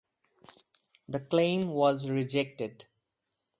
The claim was rejected.